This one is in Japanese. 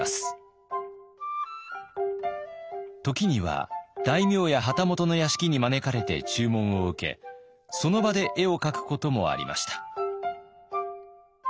時には大名や旗本の屋敷に招かれて注文を受けその場で絵を描くこともありました。